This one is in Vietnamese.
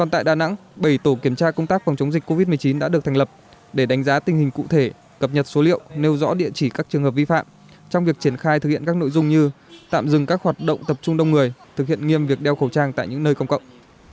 tại đà nẵng bảy tổ kiểm tra công tác phòng chống dịch covid một mươi chín đã được thành lập để đánh giá tình hình cụ thể cập nhật số liệu nêu rõ địa chỉ các trường hợp vi phạm trong việc triển khai thực hiện các nội dung như tạm dừng các hoạt động tập trung đông người thực hiện nghiêm việc đeo khẩu trang tại những nơi công cộng